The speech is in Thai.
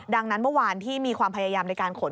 ดังนั้นเมื่อวานที่มีความพยายามในการขน